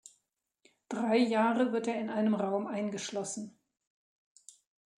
Drei Jahre wird er in einem Raum eingeschlossen.